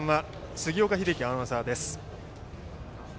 杉岡英樹アナウンサーです。